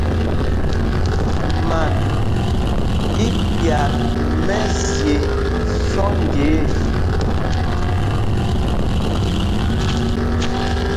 Man í pyat mɛ́zye sɔ́nja ê.